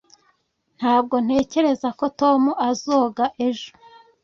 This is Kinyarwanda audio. Ntabwo ntekereza ko Tom azoga ejo